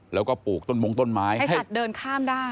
แล้วก็ปลูกต้นมงต้นไม้ให้สัตว์เดินข้ามได้